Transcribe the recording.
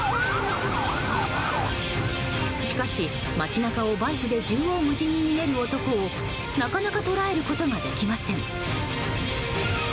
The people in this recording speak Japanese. しかし、街中をバイクで縦横無尽に逃げる男をなかなか捕らえることができません。